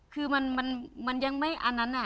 คือมันยังไม่อันนั้น